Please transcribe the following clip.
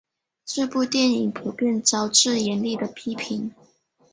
这部电影普遍招致严厉的批评。